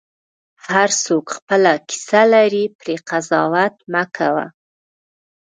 هر څوک خپله کیسه لري، پرې قضاوت مه کوه.